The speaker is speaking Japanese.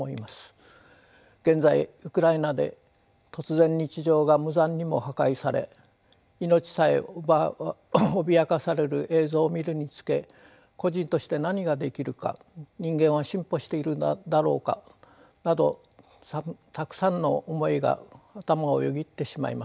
現在ウクライナで突然日常が無残にも破壊され命さえ脅かされる映像を見るにつけ個人として何ができるか人間は進歩しているだろうかなどたくさんの思いが頭をよぎってしまいます。